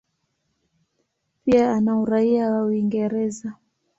Pia ana uraia wa Uingereza.